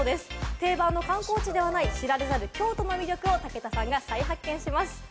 定番の観光地ではない知られざる京都の魅力を武田さんが再発見します。